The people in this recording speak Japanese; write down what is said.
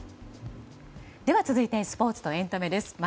続いてスポーツとエンタメです。